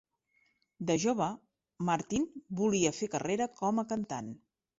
De jove, Martin volia fer carrera com a cantant.